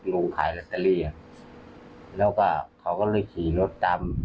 แผงลอตเตอรี่แล้วกระเป๋าเงินไปให้อยู่ไหน